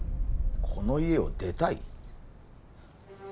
この家を出たい？